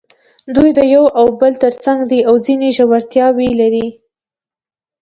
دوی د یو او بل تر څنګ دي او ځینې ژورتیاوې لري.